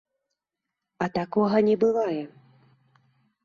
А такога не бывае.